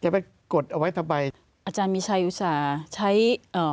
ไปกดเอาไว้ทำไมอาจารย์มีชัยอุตส่าห์ใช้เอ่อ